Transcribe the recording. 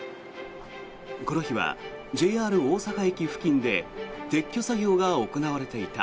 この日はＪＲ大阪駅付近で撤去作業が行われていた。